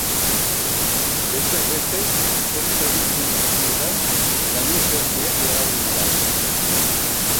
Besteak beste, tren zerbitzu guztietan lanuzte handiak iragarri dira.